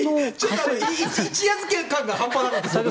一夜漬け感が半端なかったですね。